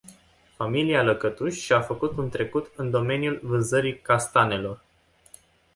Familia Lăcătuș și-a făcut un trecut în domeniul vânzării castanelor.